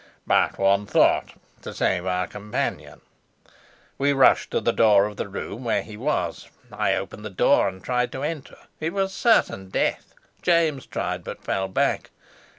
"But one thought, to save our companion. We rushed to the door of the room where he was. I opened the door and tried to enter. It was certain death. James tried, but fell back.